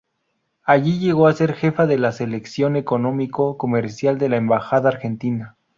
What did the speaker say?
Allí llegó a ser Jefa de la Sección Económico Comercial de la embajada argentina.